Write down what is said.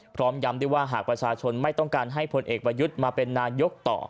พร้อมย้ำด้วยว่าหากประชาชนไม่ต้องการให้พลเอกประยุทธ์มาเป็นนายกต่อ